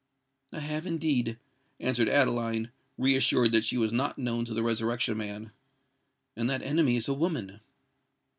"I have indeed," answered Adeline, reassured that she was not known to the Resurrection Man: "and that enemy is a woman."